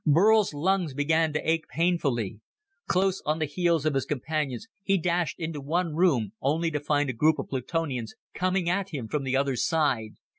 Burl's lungs began to ache painfully. Close on the heels of his companions he dashed into one room only to find a group of Plutonians coming at him from the other side.